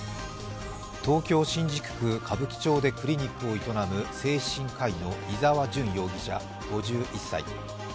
東京・新宿歌舞伎町でクリニックを営む精神科医の伊沢純容疑者５１歳。